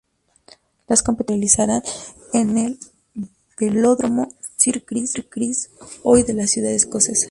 Las competiciones se realizarán en el Velódromo Sir Chris Hoy de la ciudad escocesa.